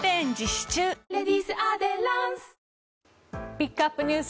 ピックアップＮＥＷＳ